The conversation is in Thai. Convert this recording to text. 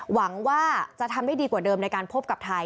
หวังว่าจะทำได้ดีกว่าเดิมในการพบกับไทย